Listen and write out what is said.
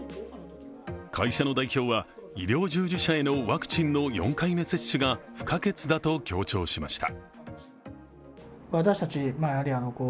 会社の代表は医療従事者へのワクチンの４回目接種が不可欠だと強調しました。